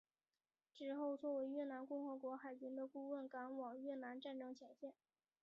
之后作为越南共和国海军的顾问赶往越南战争前线。